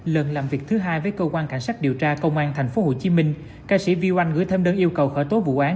lần làm việc thứ hai với cơ quan cảnh sát điều tra công an tp hcm ca sĩ viu oanh gửi thêm đơn yêu cầu khởi tố vụ án